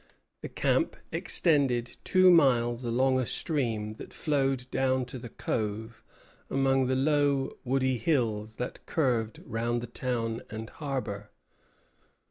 The camp extended two miles along a stream that flowed down to the Cove among the low, woody hills that curved around the town and harbor.